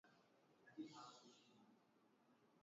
Kupata kazi mu lubumbashi ni shida kabisa